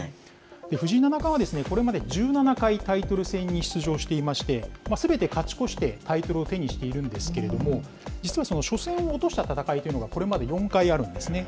藤井七冠はこれまで１７回タイトル戦に出場していまして、すべて勝ち越して、タイトルを手にしているんですけれども、実はその初戦を落とした戦いというのが、これまで４回あるんですね。